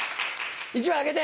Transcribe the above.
１枚あげて！